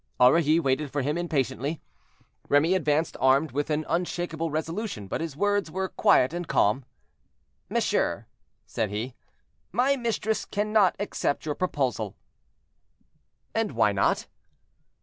Aurilly waited for him impatiently. Remy advanced armed with an unshakable resolution, but his words were quiet and calm. "Monsieur," said he, "my mistress cannot accept your proposal." "And why not?"